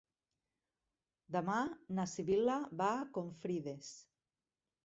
Demà na Sibil·la va a Confrides.